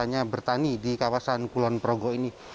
hanya bertani di kawasan kulon progo ini